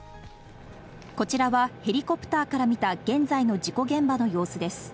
こちらはヘリコプターから見た現在の事故現場の様子です。